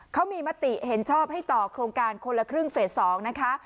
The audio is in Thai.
เขามีมติเห็นชอบให้ต่อโครงการคนละครึ่งเฟส๒นะคะ